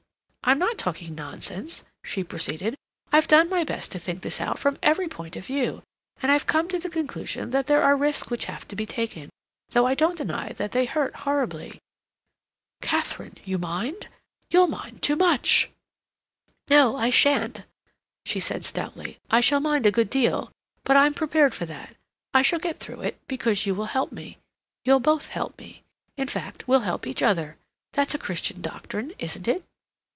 I'm not talking nonsense," she proceeded. "I've done my best to think this out from every point of view, and I've come to the conclusion that there are risks which have to be taken,—though I don't deny that they hurt horribly." "Katharine, you mind? You'll mind too much." "No I shan't," she said stoutly. "I shall mind a good deal, but I'm prepared for that; I shall get through it, because you will help me. You'll both help me. In fact, we'll help each other. That's a Christian doctrine, isn't it?"